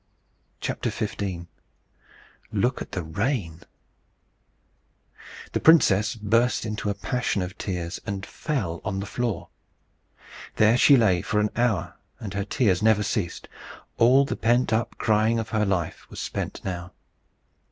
XV. LOOK AT THE RAIN! The princess burst into a passion of tears, and fell on the floor. There she lay for an hour and her tears never ceased. All the pent up crying of her life was spent now.